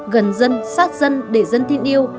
gần dân sát dân để dân tin yêu